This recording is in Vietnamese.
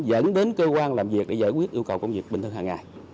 dẫn đến cơ quan làm việc để giải quyết yêu cầu công việc bình thường hàng ngày